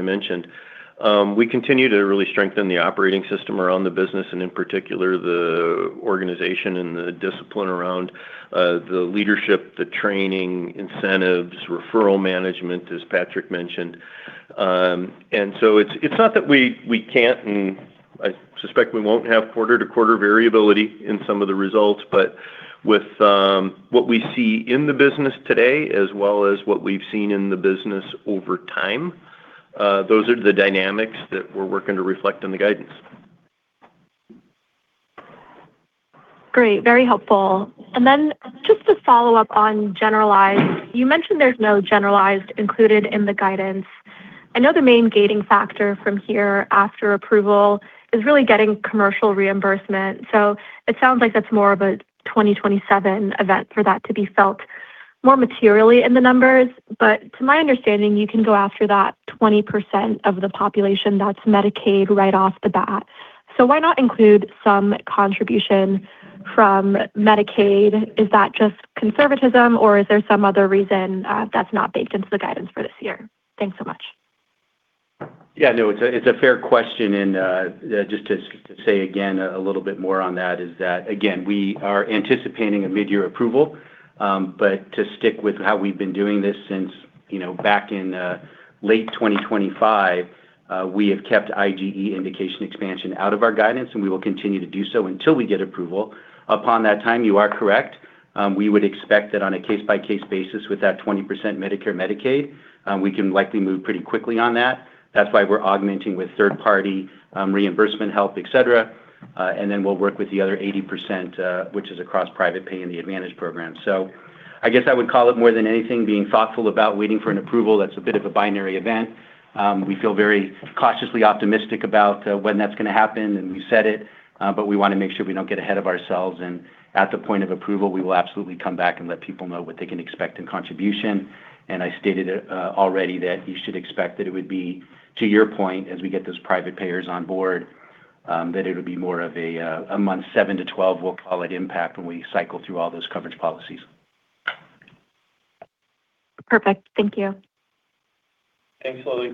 mentioned, we continue to really strengthen the operating system around the business and in particular the organization and the discipline around the leadership, the training, incentives, referral management, as Patrick mentioned. So it's not that we can't, and I suspect we won't have quarter-to-quarter variability in some of the results, but with what we see in the business today as well as what we've seen in the business over time, those are the dynamics that we're working to reflect on the guidance. Great. Very helpful. Just to follow up on generalized, you mentioned there's no generalized included in the guidance. I know the main gating factor from here after approval is really getting commercial reimbursement, so it sounds like that's more of a 2027 event for that to be felt more materially in the numbers. To my understanding, you can go after that 20% of the population that's Medicaid right off the bat. Why not include some contribution from Medicaid? Is that just conservatism, or is there some other reason that's not baked into the guidance for this year? Thanks so much. Yeah, no, it's a fair question. Just to say again a little bit more on that is that we are anticipating a midyear approval. To stick with how we've been doing this since, you know, back in late 2025, we have kept IGE indication expansion out of our guidance, and we will continue to do so until we get approval. Upon that time, you are correct. We would expect that on a case-by-case basis with that 20% Medicare, Medicaid, we can likely move pretty quickly on that. That's why we're augmenting with third-party reimbursement help, et cetera. We'll work with the other 80%, which is across private pay and the advantage program. I guess I would call it more than anything being thoughtful about waiting for an approval that's a bit of a binary event. We feel very cautiously optimistic about when that's gonna happen, and we said it, but we wanna make sure we don't get ahead of ourselves. At the point of approval, we will absolutely come back and let people know what they can expect in contribution. I stated already that you should expect that it would be, to your point, as we get those private payers on board, that it'll be more of a month seven to 12, we'll call it impact, when we cycle through all those coverage policies. Perfect. Thank you. Thanks, Lily.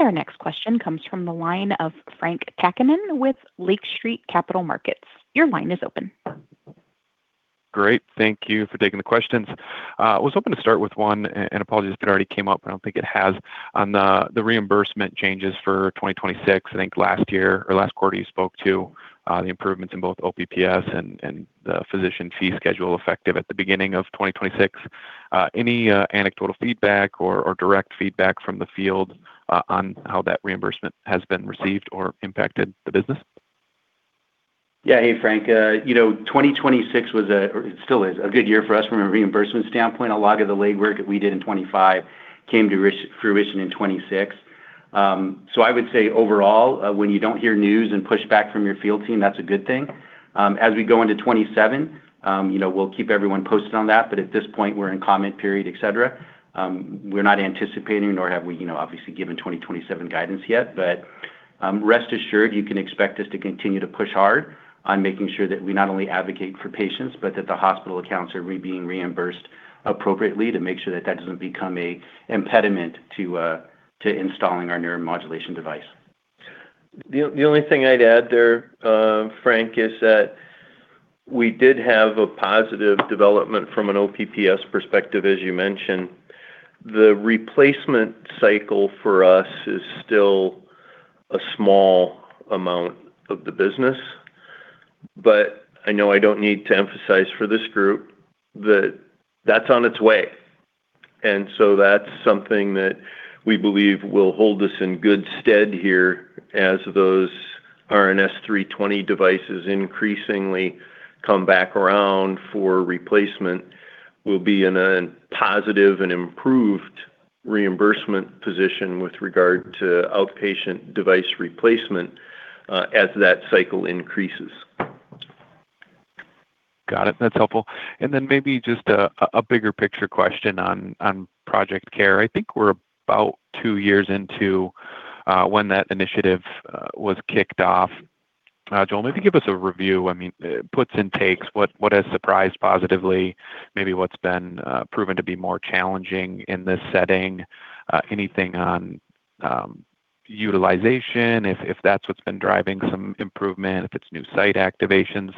Our next question comes from the line of Frank Takkinen with Lake Street Capital Markets. Your line is open. Great. Thank you for taking the questions. I was hoping to start with one, and apologies if it already came up. I don't think it has. On the reimbursement changes for 2026, I think last year or last quarter you spoke to the improvements in both OPPS and the physician fee schedule effective at the beginning of 2026. Any anecdotal feedback or direct feedback from the field on how that reimbursement has been received or impacted the business? Hey, Frank. You know, 2026 was it still is a good year for us from a reimbursement standpoint. A lot of the legwork that we did in 2025 came to fruition in 2026. I would say overall, when you don't hear news and pushback from your field team, that's a good thing. As we go into 2027, you know, we'll keep everyone posted on that. At this point, we're in comment period, et cetera. We're not anticipating nor have we, you know, obviously given 2027 guidance yet. Rest assured you can expect us to continue to push hard on making sure that we not only advocate for patients, but that the hospital accounts are being reimbursed appropriately to make sure that that doesn't become a impediment to installing our neuromodulation device. The only thing I'd add there, Frank, is that we did have a positive development from an OPPS perspective, as you mentioned. The replacement cycle for us is still a small amount of the business, but I know I don't need to emphasize for this group that that's on its way. That's something that we believe will hold us in good stead here as those RNS-320 devices increasingly come back around for replacement. We'll be in a positive and improved reimbursement position with regard to outpatient device replacement as that cycle increases. Got it. That's helpful. Then maybe just a bigger picture question on Project CARE. I think we're about two years into when that initiative was kicked off. Joel, maybe give us a review. I mean, puts and takes, what has surprised positively, maybe what's been proven to be more challenging in this setting, anything on utilization, if that's what's been driving some improvement, if it's new site activations,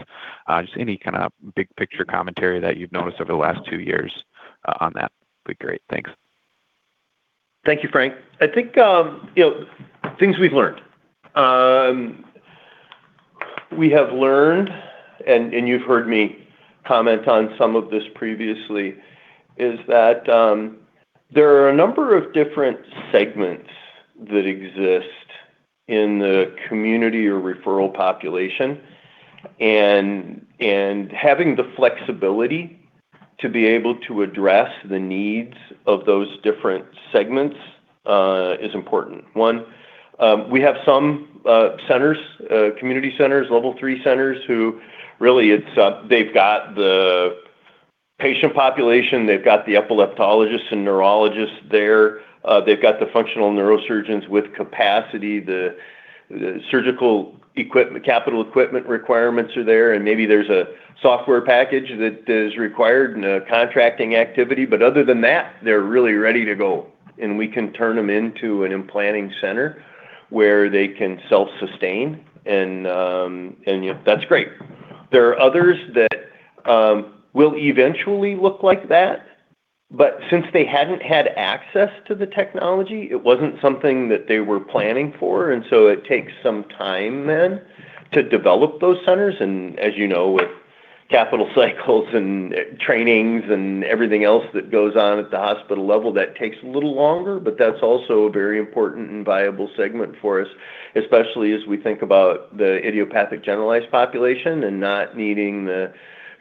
just any kinda big picture commentary that you've noticed over the last two years on that would be great. Thanks. Thank you, Frank. I think, you know, things we've learned. We have learned, and you've heard me comment on some of this previously, is that there are a number of different segments that exist in the community or referral population. Having the flexibility to be able to address the needs of those different segments is important. One, we have some centers, community centers, Level 3 centers who really it's, they've got the patient population, they've got the epileptologists and neurologists there, they've got the functional neurosurgeons with capacity, the surgical capital equipment requirements are there, and maybe there's a software package that is required and a contracting activity. Other than that, they're really ready to go, and we can turn them into an implanting center where they can self-sustain and, you know, that's great. There are others that will eventually look like that, but since they hadn't had access to the technology, it wasn't something that they were planning for, and so it takes some time then to develop those centers. As you know, with capital cycles and trainings and everything else that goes on at the hospital level, that takes a little longer, but that's also a very important and viable segment for us, especially as we think about the idiopathic generalized population and not needing the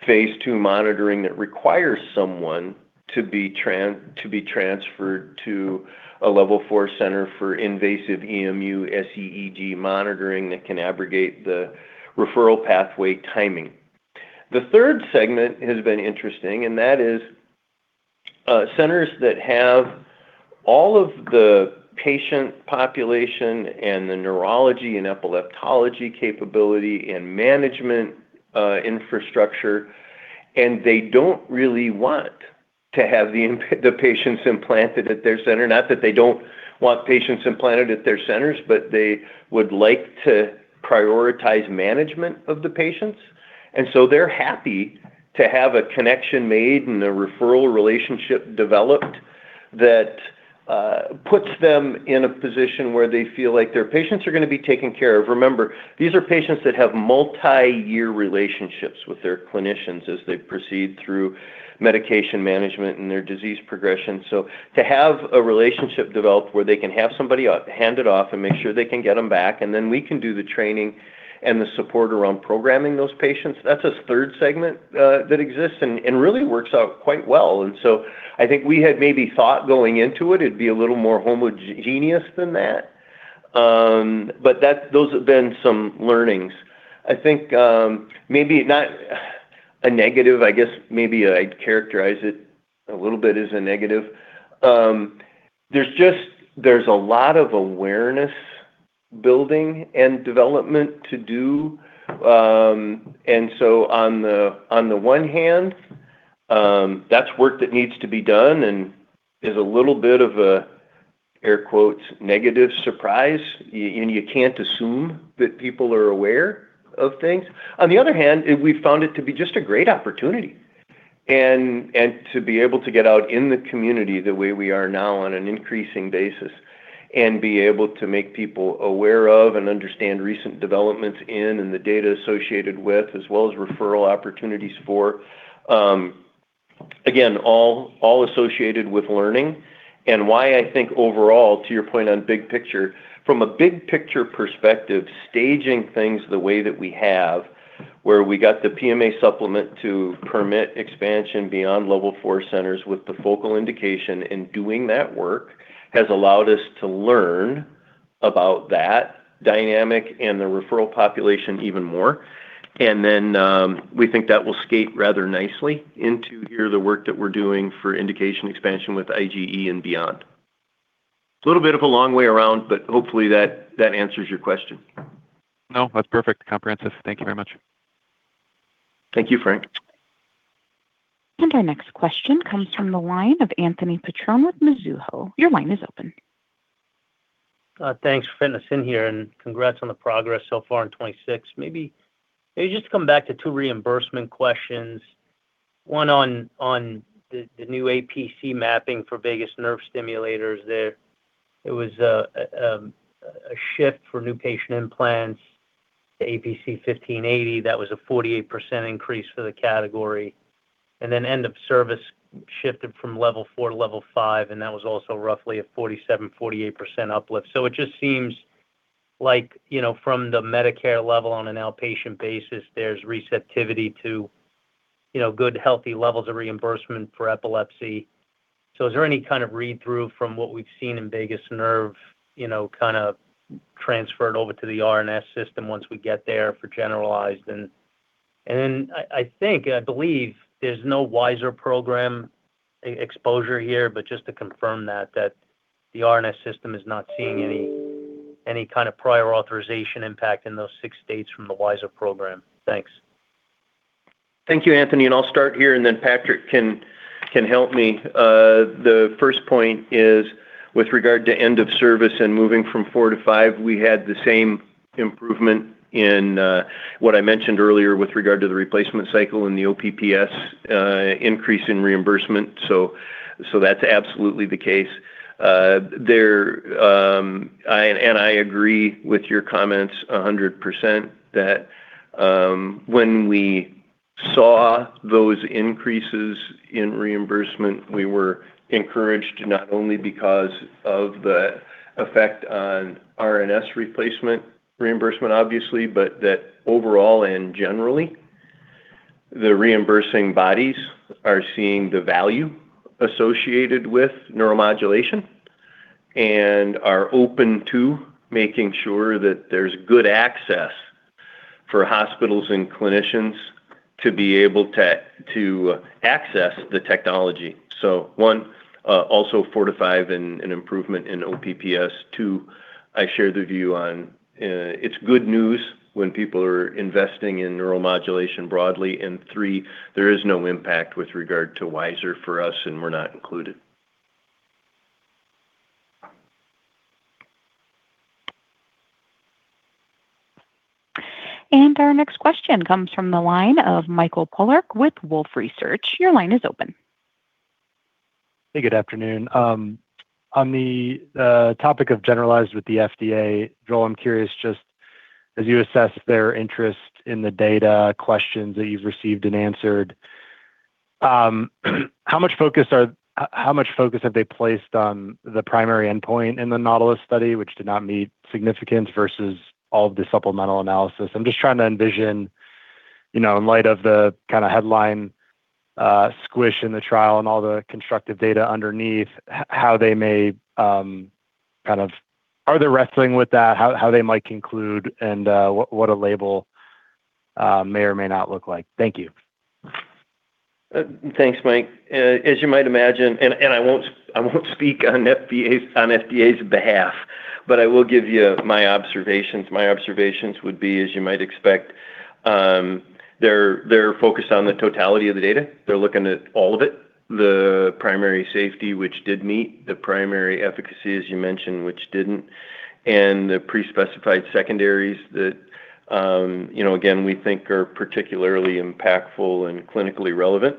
phase II monitoring that requires someone to be transferred to a Level 4 center for invasive EMU SEEG monitoring that can abrogate the referral pathway timing. The third segment has been interesting, and that is, centers that have all of the patient population and the neurology and epileptology capability and management infrastructure, and they don't really want to have the patients implanted at their center. Not that they don't want patients implanted at their centers, but they would like to prioritize management of the patients. They're happy to have a connection made and a referral relationship developed that puts them in a position where they feel like their patients are going to be taken care of. Remember, these are patients that have multi-year relationships with their clinicians as they proceed through medication management and their disease progression. To have a relationship developed where they can have somebody hand it off and make sure they can get them back, and then we can do the training and the support around programming those patients, that's a third segment that exists and really works out quite well. I think we had maybe thought going into it'd be a little more homogeneous than that. Those have been some learnings. I think, maybe not a negative, I guess maybe I'd characterize it a little bit as a negative. There's a lot of awareness building and development to do. On the, on the one hand, that's work that needs to be done and is a little bit of a air quotes negative surprise. You can't assume that people are aware of things. On the other hand, we found it to be just a great opportunity and to be able to get out in the community the way we are now on an increasing basis and be able to make people aware of and understand recent developments in and the data associated with, as well as referral opportunities for, again, all associated with learning. Why I think overall, to your point on big picture, from a big picture perspective, staging things the way that we have, where we got the PMA supplement to permit expansion beyond Level 4 centers with the focal indication and doing that work, has allowed us to learn about that dynamic and the referral population even more. Then, we think that will skate rather nicely into here the work that we're doing for indication expansion with IGE and beyond. It's a little bit of a long way around. Hopefully that answers your question. No, that's perfect. Comprehensive. Thank you very much. Thank you, Frank. Our next question comes from the line of Anthony Petrone of Mizuho. Your line is open. Thanks for fitting us in here. Congrats on the progress so far in 2026. Maybe just to come back to two reimbursement questions. One on the new APC mapping for vagus nerve stimulators. It was a shift for new patient implants to APC 1580. That was a 48% increase for the category. Then end of service shifted from Level 4 to Level 5, and that was also roughly a 47%-48% uplift. It just seems like, you know, from the Medicare level on an outpatient basis, there's receptivity to, you know, good healthy levels of reimbursement for epilepsy. Is there any kind of read-through from what we've seen in vagus nerve, you know, kind of transferred over to the RNS System once we get there for generalized? I think, I believe there's no WISeR program exposure here, just to confirm that the RNS System is not seeing any kind of prior authorization impact in those six states from the WISeR program. Thanks. Thank you, Anthony. I'll start here and then Patrick can help me. The first point is with regard to end of service and moving from four to five. We had the same improvement in what I mentioned earlier with regard to the replacement cycle and the OPPS increase in reimbursement. That's absolutely the case. There, and I agree with your comments 100% that when we saw those increases in reimbursement, we were encouraged not only because of the effect on RNS replacement reimbursement obviously, but that overall and generally, the reimbursing bodies are seeing the value associated with neuromodulation and are open to making sure that there's good access for hospitals and clinicians to be able to access the technology. One, also four to five in an improvement in OPPS. Two, I share the view on, it's good news when people are investing in neuromodulation broadly. Three, there is no impact with regard to WISeR for us, and we're not included. Our next question comes from the line of Michael Polark with Wolfe Research. Your line is open. Hey, good afternoon. On the topic of generalized with the FDA, Joel, I'm curious, just as you assess their interest in the data questions that you've received and answered, how much focus have they placed on the primary endpoint in the NAUTILUS study, which did not meet significance versus all of the supplemental analysis? I'm just trying to envision, you know, in light of the kind of headline squish in the trial and all the constructive data underneath, how they may, are they wrestling with that? How they might conclude and what a label may or may not look like? Thank you. Thanks, Mike. As you might imagine, I won't speak on FDA's behalf, but I will give you my observations. My observations would be, as you might expect, they're focused on the totality of the data. They're looking at all of it. The primary safety, which did meet the primary efficacy, as you mentioned, which didn't, and the pre-specified secondaries that, you know, again, we think are particularly impactful and clinically relevant.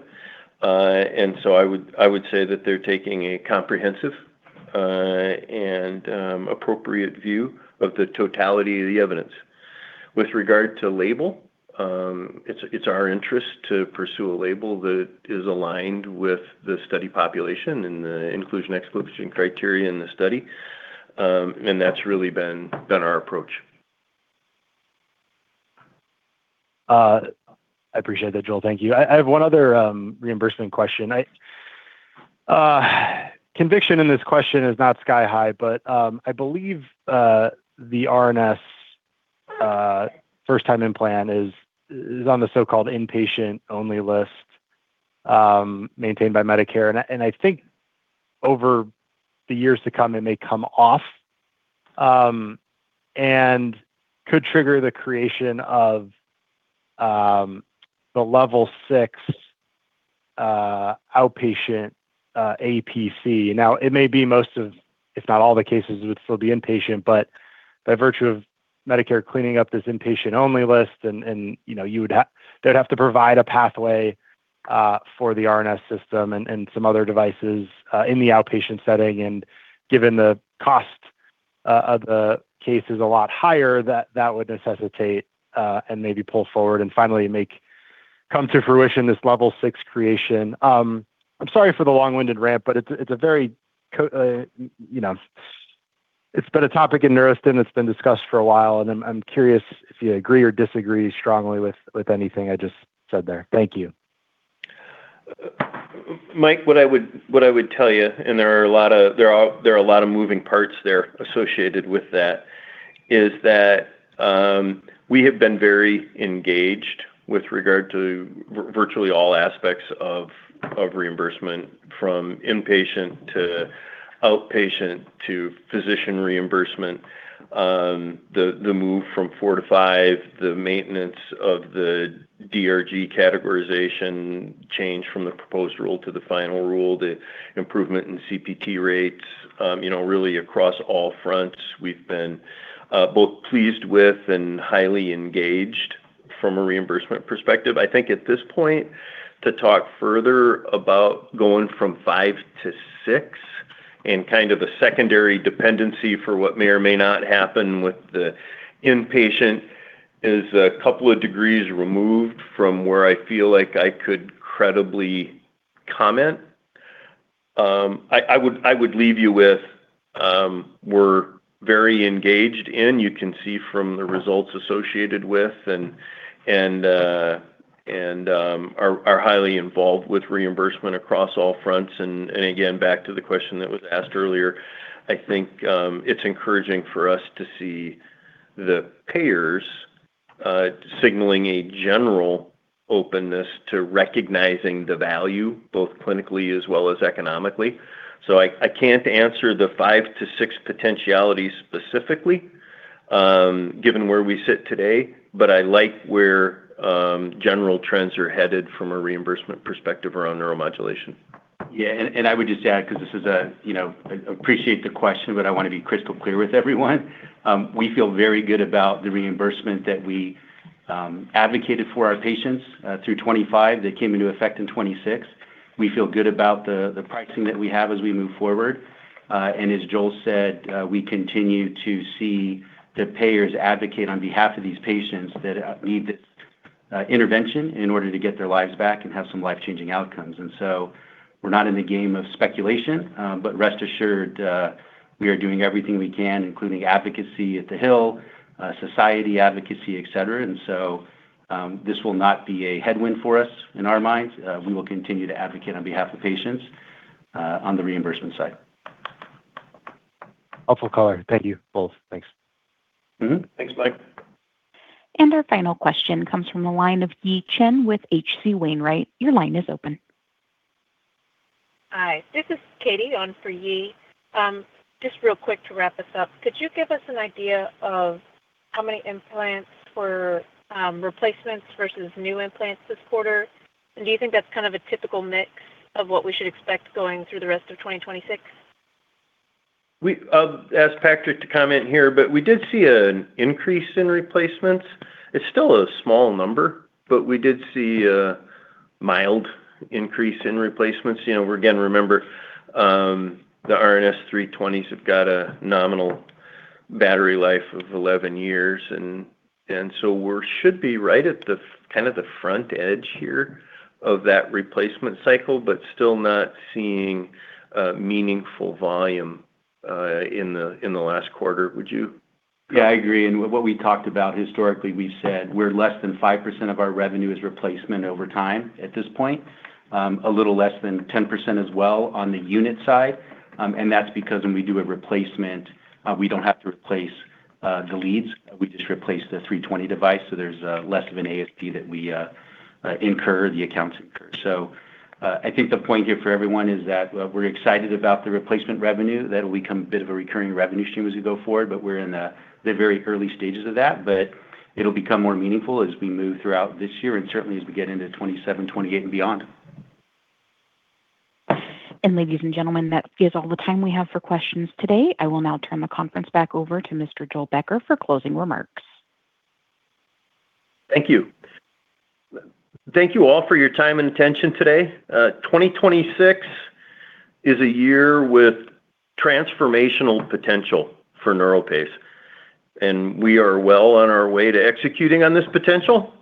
I would say that they're taking a comprehensive, and appropriate view of the totality of the evidence. With regard to label, it's our interest to pursue a label that is aligned with the study population and the inclusion/exclusion criteria in the study. That's really been our approach. I appreciate that, Joel. Thank you. I have one other reimbursement question. I, conviction in this question is not sky high, but I believe the RNS first time implant is on the so-called inpatient only list maintained by Medicare. I think over the years to come, it may come off and could trigger the creation of the Level 6 outpatient APC. It may be most of, if not all the cases would still be inpatient, but by virtue of Medicare cleaning up this inpatient only list and, you know, they'd have to provide a pathway for the RNS System and some other devices in the outpatient setting. Given the cost of the case is a lot higher that that would necessitate and maybe pull forward and finally make come to fruition this Level 6 creation. I'm sorry for the long-winded rant, but it's a, it's a very, you know, it's been a topic in NeuroStim that's been discussed for a while, and I'm curious if you agree or disagree strongly with anything I just said there. Thank you. Mike, what I would tell you, and there are a lot of moving parts there associated with that, is that, we have been very engaged with regard to virtually all aspects of reimbursement from inpatient to outpatient to physician reimbursement. The move from four to five, the maintenance of the DRG categorization change from the proposed rule to the final rule, the improvement in CPT rates, you know, really across all fronts, we've been both pleased with and highly engaged from a reimbursement perspective. I think at this point, to talk further about going from five to six and kind of the secondary dependency for what may or may not happen with the inpatient is a couple of degrees removed from where I feel like I could credibly comment. I would leave you with, we're very engaged in, you can see from the results associated with and are highly involved with reimbursement across all fronts. Again, back to the question that was asked earlier, I think it's encouraging for us to see the payers signaling a general openness to recognizing the value both clinically as well as economically. I can't answer the five to six potentiality specifically, given where we sit today, but I like where general trends are headed from a reimbursement perspective around neuromodulation. Yeah. I would just add because this is a, you know, appreciate the question, but I want to be crystal clear with everyone. We feel very good about the reimbursement that we advocated for our patients through 2025 that came into effect in 2026. We feel good about the pricing that we have as we move forward. As Joel said, we continue to see the payers advocate on behalf of these patients that need this intervention in order to get their lives back and have some life-changing outcomes. We're not in the game of speculation, but rest assured, we are doing everything we can, including advocacy at the Hill, society advocacy, et cetera. This will not be a headwind for us in our minds. We will continue to advocate on behalf of patients on the reimbursement side. Helpful color. Thank you both. Thanks. Mm-hmm. Thanks, Mike. Our final question comes from the line of Yi Chen with H.C. Wainwright. Your line is open. Hi. This is Katie on for Yi. Just real quick to wrap this up, could you give us an idea of how many implants were replacements versus new implants this quarter? Do you think that's kind of a typical mix of what we should expect going through the rest of 2026? I'll ask Patrick to comment here. We did see an increase in replacements. It's still a small number. We did see a mild increase in replacements. You know, we're gonna remember, the RNS-320s have got a nominal battery life of 11 years. We're should be right at the kind of the front edge here of that replacement cycle. Still not seeing a meaningful volume in the last quarter. I agree. What we talked about historically, we said we're less than 5% of our revenue is replacement over time at this point. A little less than 10% as well on the unit side. That's because when we do a replacement, we don't have to replace the leads. We just replace the 320 device, there's less of an ASP that we incur, the accounts incur. I think the point here for everyone is that we're excited about the replacement revenue. That'll become a bit of a recurring revenue stream as we go forward, we're in the very early stages of that. It'll become more meaningful as we move throughout this year and certainly as we get into 2027, 2028 and beyond. Ladies and gentlemen, that is all the time we have for questions today. I will now turn the conference back over to Mr. Joel Becker for closing remarks. Thank you. Thank you all for your time and attention today. 2026 is a year with transformational potential for NeuroPace, and we are well on our way to executing on this potential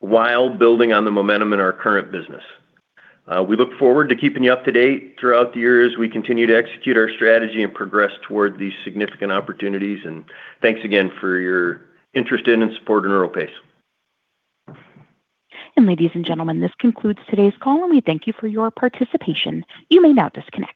while building on the momentum in our current business. We look forward to keeping you up to date throughout the year as we continue to execute our strategy and progress toward these significant opportunities. Thanks again for your interest in and support of NeuroPace. Ladies and gentlemen, this concludes today's call, and we thank you for your participation. You may now disconnect.